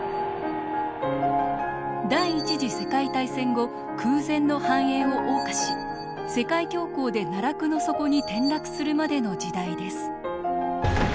第一次世界大戦後空前の繁栄を謳歌し世界恐慌で奈落の底に転落するまでの時代です。